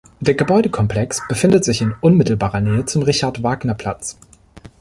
Der Gebäudekomplex befindet sich in unmittelbarer Nähe zum Richard-Wagner-Platz.